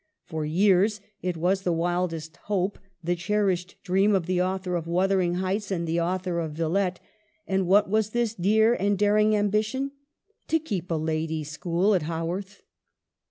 For years it was the wildest hope, the cherished dream, of the author of ' Wuthering Heights ' and the author of ' Villette.' And what was this dear and daring ambition ?— to keep a ladies' school at Haworth.